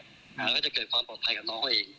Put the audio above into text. แล้วก็จะเกิดความปลอดภัยกับน้องเขาเอง